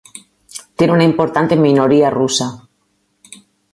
Tiene una importante minoría rusa.